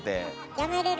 やめれる？